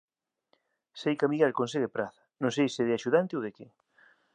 Seica Miguel consegue praza, non sei se de axudante ou que